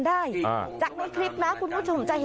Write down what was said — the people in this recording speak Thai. ด้วยด้วยขอบความชมด้วย